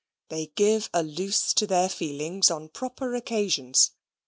They give a loose to their feelings on proper occasions.